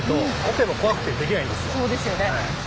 そうですよね。